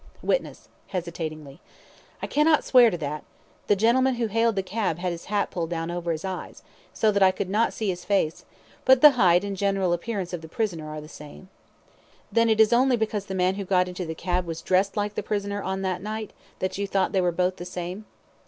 WITNESS (hesitatingly): I cannot swear to that. The gentleman who hailed the cab had his hat pulled down over his eyes, so that I could not see his face; but the height and general appearance of the prisoner are the same. CALTON: Then it is only because the man who got into the cab was dressed like the prisoner on that night that you thought they were both the same?